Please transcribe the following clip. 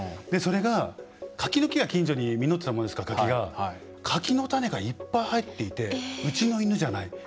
それが、柿の木が近所に実っていたものですから柿の種がいっぱい入っていてうちの犬じゃない。